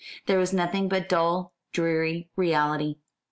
There was nothing but dull dreary reality.